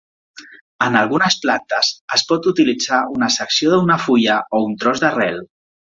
En algunes plantes, es pot utilitzar una secció d'una fulla o un tros d'arrel.